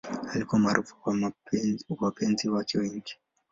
Alikuwa maarufu kwa wapenzi wake wengi.